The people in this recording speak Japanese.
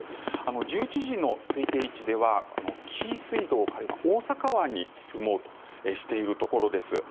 １１時の推定位置では紀伊水道から今、大阪湾に進もうとしているところです。